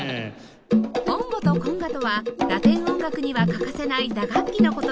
ボンゴとコンガとはラテン音楽には欠かせない打楽器の事です